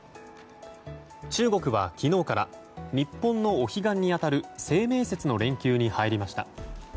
中国は、昨日から日本のお彼岸に当たる清明節の連休に入りました。